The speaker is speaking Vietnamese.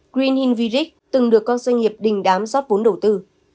green hill village từng được con doanh nghiệp đình đám rót vốn đầu tư